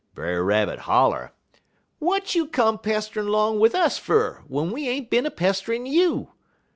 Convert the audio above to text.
Brer Rabbit holler: "'W'at you come pesterin' 'long wid us fer, w'en we ain't bin a pesterin' you?